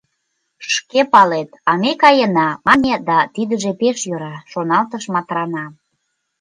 — Шке палет, а ме каена, — мане да «Тидыже пеш йӧра», — шоналтыш Матрана.